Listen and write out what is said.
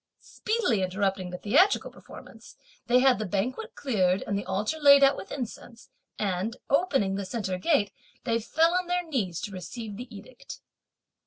Speedily interrupting the theatrical performance, they had the banquet cleared, and the altar laid out with incense, and opening the centre gate they fell on their knees to receive the edict.